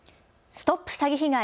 ＳＴＯＰ詐欺被害！